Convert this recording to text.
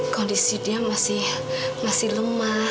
kondisi dia masih lemah